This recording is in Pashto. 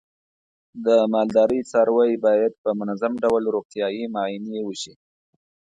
د مالدارۍ څاروی باید په منظم ډول روغتیايي معاینې وشي.